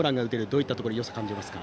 どういったところによさを感じますか？